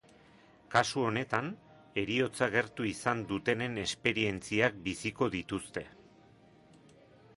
Kasu honetan, heriotza gertu izan dutenen esperientziak biziko dituzte.